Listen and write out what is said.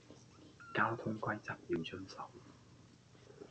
交通規則要遵守